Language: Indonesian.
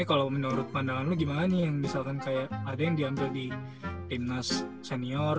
kalau menurut pandangan lu gimana nih yang misalkan kayak ada yang diambil di timnas senior